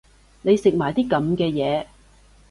你食埋啲噉嘅嘢